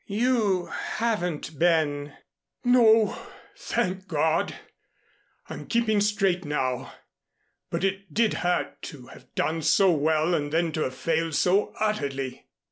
You haven't been " "No, thank God, I'm keeping straight now, but it did hurt to have done so well and then to have failed so utterly.